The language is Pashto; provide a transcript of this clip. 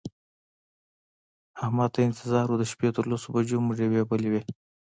احمد ته انتظار و د شپې تر لسو بجو مو ډېوې بلې وې.